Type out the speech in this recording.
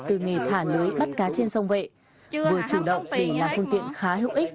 từ nghề thả lưới bắt cá trên sông vệ vừa chủ động để làm phương tiện khá hữu ích